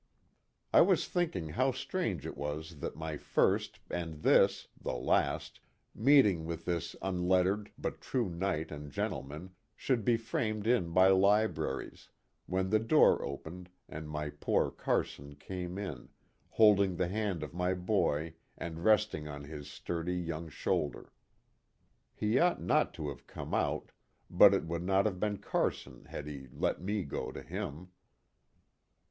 KIT CARSON. 45 I was thinking how strange it was that my first, and this the last meeting with this un lettered but true knight and gentleman, should be framed in by libraries, when the door opened and my poor Carson came in ; holding the hand of my boy and resting on his sturdy young shoulder. He ought not to have come out, but it would not have been Carson had he let me go to him.